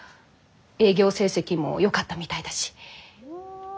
営業成績もよかったみたいだし。